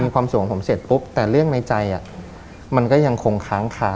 ความสูงของผมเสร็จปุ๊บแต่เรื่องในใจมันก็ยังคงค้างคา